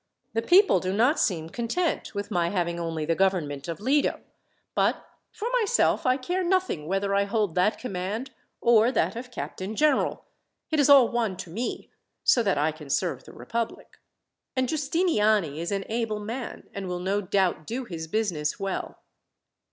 The people do not seem content with my having only the government of Lido; but for myself, I care nothing whether I hold that command, or that of captain general. It is all one to me, so that I can serve the republic. And Giustiniani is an able man, and will no doubt do his business well.